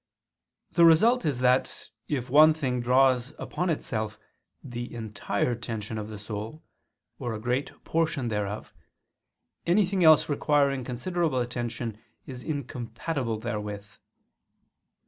The result is that if one thing draws upon itself the entire intention of the soul, or a great portion thereof, anything else requiring considerable attention is incompatible therewith.